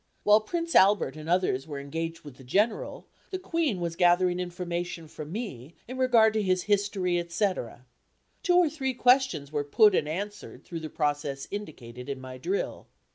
While Prince Albert and others were engaged with the General, the Queen was gathering information from me in regard to his history, etc. Two or three questions were put and answered through the process indicated in my drill.